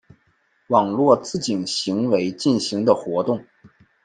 网络自警行为进行的活动。